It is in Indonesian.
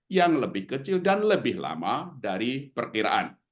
yang lebih kecil dan lebih lama dari perkiraan